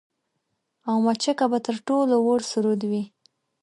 او مچکه به تر ټولو وُړ سرود وي